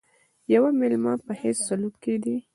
د یوه مېلمه په حیث سلوک کېدی.